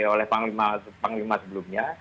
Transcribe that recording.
oleh panglima sebelumnya